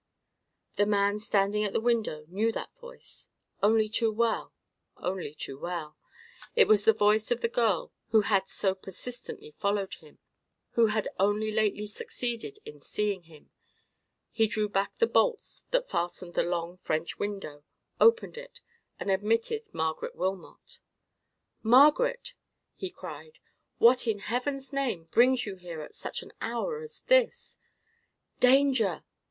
The man standing at the window knew that voice: only too well, only too well. It was the voice of the girl who had so persistently followed him, who had only lately succeeded in seeing him. He drew back the bolts that fastened the long French window, opened it, and admitted Margaret Wilmot. "Margaret!" he cried; "what, in Heaven's name, brings you here at such an hour as this?" "Danger!"